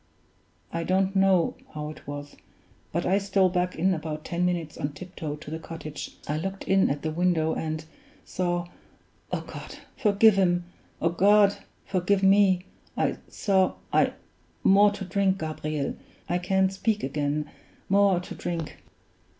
I don't know how it was, but I stole back in about ten minutes on tiptoe to the cottage; I looked in at the window, and saw O God! forgive him! O God! forgive me! I saw I more to drink, Gabriel! I can't speak again more to drink!"